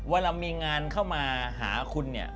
เวลามีงานเข้ามาหาคุณเนี่ย